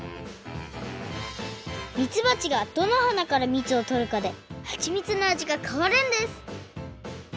みつばちがどの花からみつをとるかではちみつの味が変わるんです